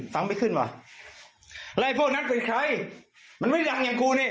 สังไม่ขึ้นว่ะแล้วพวกนั้นเป็นใครมันไม่ได้รังอย่างครูเนี้ย